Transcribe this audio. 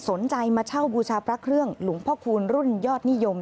สนใจมาเช่าบูชาพระเครื่องหลวงพ่อคูณรุ่นยอดนิยม